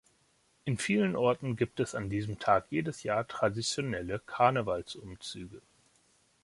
In vielen Orten gibt es auch an diesem Tag jedes Jahr traditionelle Karnevalsumzüge.